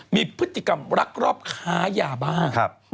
มีพฤติกรรมรักรอบค้ายาบ้า